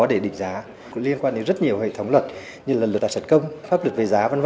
để định giá liên quan đến rất nhiều hệ thống luật như là luật tài sản công pháp luật về giá v v